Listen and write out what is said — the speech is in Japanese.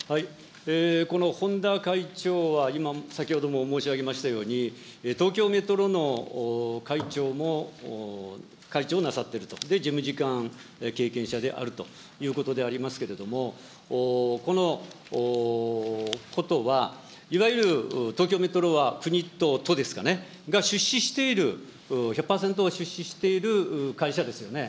この本田会長は今、先ほども申し上げましたように、東京メトロの会長も、会長をなさっていると、事務次官経験者であるということでありますけれども、このことは、いわゆる東京メトロは国と都ですかね、が、出資している１００％出資している会社ですよね。